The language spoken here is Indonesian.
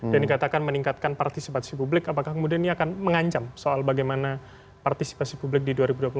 dan dikatakan meningkatkan partisipasi publik apakah kemudian ini akan mengancam soal bagaimana partisipasi publik di dua ribu dua puluh empat